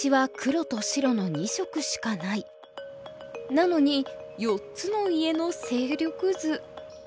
なのに４つの家の勢力図。